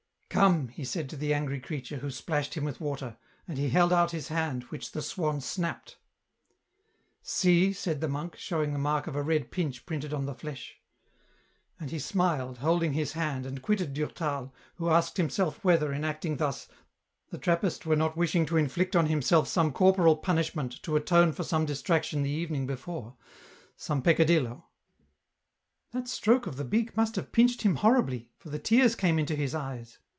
" Come," he said to the angr}'^ creature, who splashed him with water ; and he held out his hand which the swan snapped. " See," said the monk, showing the mark of a red pinch printed on the flesh. And he smiled, holding his hand, and quitted Durtal, who asked himself whether, in acting thus, the Trappist were not wishing to inflict on himself some cornoral punislunent to 284 EN ROUTE. atone for some distraction the evening before ; some pecca dillo. That stroke of the beak must have pinched him horribly, for the tears came into his eyes.